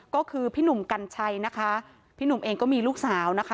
ก็คือพี่หนุ่มกัญชัยนะคะพี่หนุ่มเองก็มีลูกสาวนะคะ